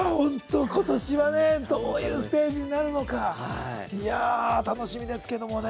今年は、どういうステージになるのか楽しみですけどね。